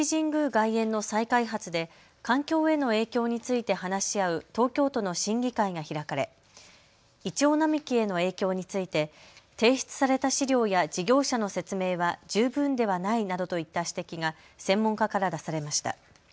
外苑の再開発で環境への影響について話し合う東京都の審議会が開かれイチョウ並木への影響について提出された資料や事業者の説明は十分ではないなどといった指摘が専門家から出されました。